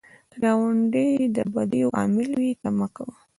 که ګاونډی د بدیو عامل وي، ته مه کوه